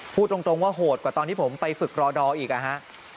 พูดตรงว่าโหดกว่าตอนที่ผมไปฝึกรอดออีกนะฮะ